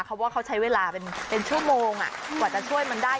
เพราะว่าเขาใช้เวลาเป็นชั่วโมงกว่าจะช่วยมันได้